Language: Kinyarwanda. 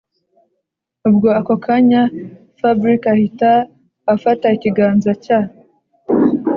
ubwo ako kanya fabric ahita afata ikiganza cya